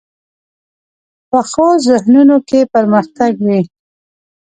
پخو ذهنونو کې پرمختګ وي